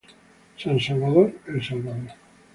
San Salvador, El Salvador.